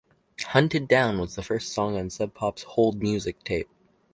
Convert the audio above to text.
"Hunted Down" was the first song on Sub Pop's "hold music" tape.